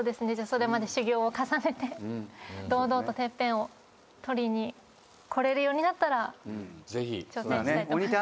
それまで修業を重ねて堂々とＴＥＰＰＥＮを取りに来れるようになったら挑戦したいと思います。